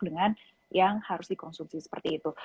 dengan yang harus dikonsumsi seperti itu